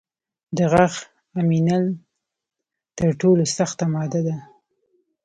د غاښ امینل تر ټولو سخته ماده ده.